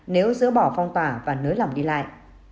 nếu dỡ bỏ phong tỏa và nới lỏng đi lại